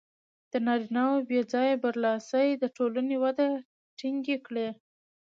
د نارینهوو بې ځایه برلاسي د ټولنې وده ټکنۍ کړې.